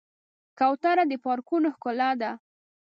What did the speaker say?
کوتره د پارکونو ښکلا ده.